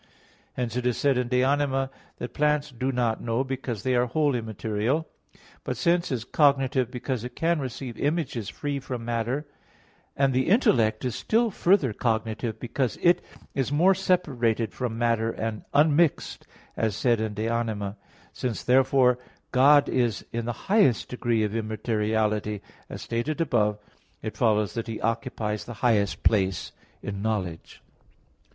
Hence it is said in De Anima ii that plants do not know, because they are wholly material. But sense is cognitive because it can receive images free from matter, and the intellect is still further cognitive, because it is more separated from matter and unmixed, as said in De Anima iii. Since therefore God is in the highest degree of immateriality as stated above (Q. 7, A. 1), it follows that He occupies the highest place in knowledge.